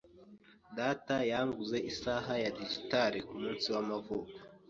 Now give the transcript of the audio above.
Data yanguze isaha ya digitale kumunsi w'amavuko.